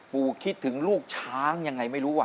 คิดถึงลูกช้างยังไงไม่รู้